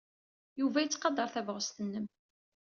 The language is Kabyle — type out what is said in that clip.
Yuba yettqadar tabɣest-nnem.